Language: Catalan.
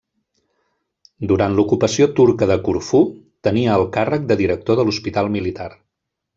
Durant l'ocupació turca de Corfú tenia el càrrec de director de l'hospital militar.